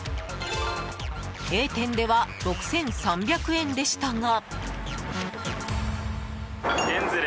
Ａ店では６３００円でしたが。